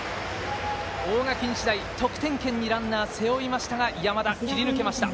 大垣日大、得点圏にランナー、背負いましたが山田、切り抜けました。